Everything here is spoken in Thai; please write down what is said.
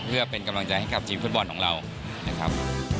เพื่อเป็นกำลังใจให้กับทีมฟุตบอลของเรานะครับ